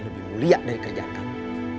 lebih mulia dari kerjaan kami